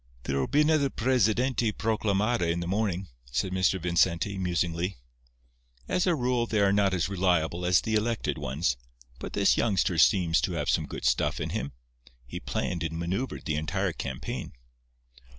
"There'll be another 'presidente proclamada' in the morning," said Mr. Vincenti, musingly. "As a rule they are not as reliable as the elected ones, but this youngster seems to have some good stuff in him. He planned and manœuvred the entire campaign.